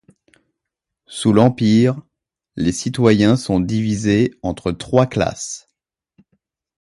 Sous l'Empire, les citoyens sont divisés entre trois classes.